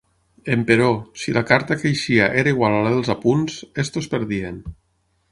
Emperò, si la carta que eixia era igual a la dels apunts, estos perdien.